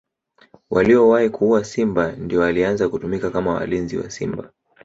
Waliowahi kuua simba ndio walianza kutumika kama walinzi wa simba